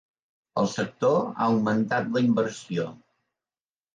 El sector ha augmentat la inversió.